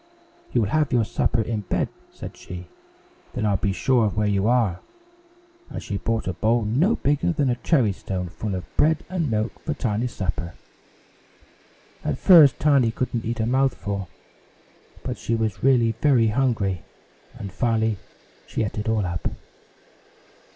"You will have your supper in bed," said she, "then I'll be sure of where you are!" And she brought a bowl no bigger than a cherry stone full of bread and milk for Tiny's supper. At first Tiny couldn't eat a mouthful, but she was really very hungry, and finally she ate it all up.